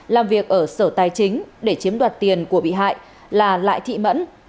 làm việc ở sở tài chính để chiếm đoạt tiền của bị hại là lại thị mẫn